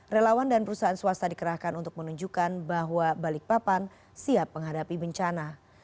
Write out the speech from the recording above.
relawan dan perusahaan swasta dikerahkan untuk menunjukkan bahwa balikpapan siap menghadapi bencana